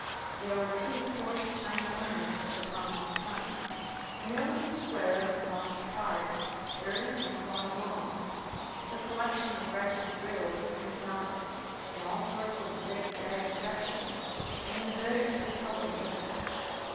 There were two coarse china ornaments of the commonest kind; and there was a square of embossed card, dirty and fly blown, with a collection of wretched riddles printed on it, in all sorts of zigzag directions, and in variously colored inks.